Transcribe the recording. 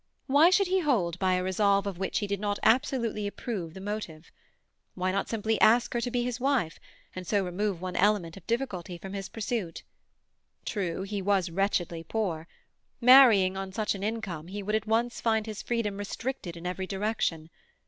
Why should he hold by a resolve of which he did not absolutely approve the motive? Why not ask her simply to be his wife, and so remove one element of difficulty from his pursuit? True, he was wretchedly poor. Marrying on such an income, he would at once find his freedom restricted in every direction.